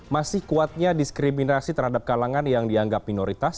masih kuatnya diskriminasi terhadap kalangan yang dianggap minoritas